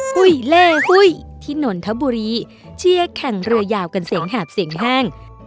หุ้ยเล่หุ้ยที่นนทบุรีเชียร์แข่งเรือยาวกันเสียงแหบเสียงแห้ง